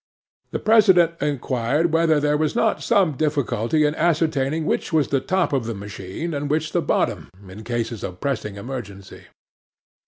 'THE PRESIDENT inquired whether there was not some difficulty in ascertaining which was the top of the machine, and which the bottom, in cases of pressing emergency.